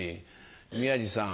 宮治さん